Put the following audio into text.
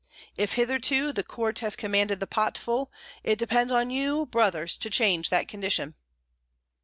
If hitherto the quart has commanded the potful, it depends on you, brothers, to change that condition."